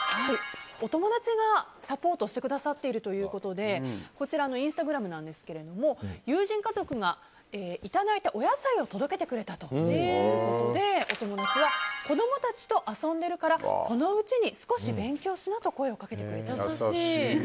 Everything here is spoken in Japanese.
お友達がサポートしてくださっているということでこちらのインスタグラムですけど友人家族がいただいたお野菜を届けてくれたということでお友達は子供たちと遊んでいるからそのうちに少し勉強しなと声をかけてくれたと。